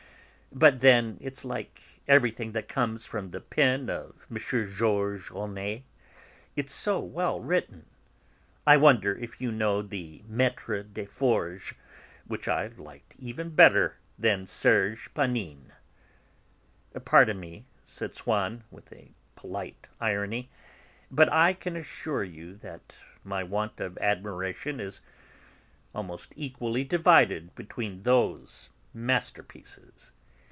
But then, it's like everything that comes from the pen of M. Georges Ohnet, it's so well written. I wonder if you know the Maître des Forges, which I like even better than Serge Panine." "Pardon me," said Swann with polite irony, "but I can assure you that my want of admiration is almost equally divided between those masterpieces."